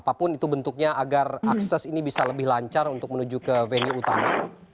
apapun itu bentuknya agar akses ini bisa lebih lancar untuk menuju ke venue utama